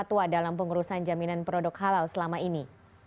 fatwa dalam pengurusan jaminan produk halal selama ini